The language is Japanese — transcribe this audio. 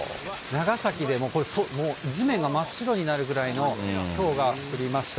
長崎でも、地面が真っ白になるぐらいのひょうが降りました。